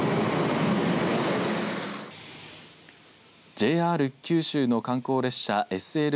ＪＲ九州の観光列車ＳＬ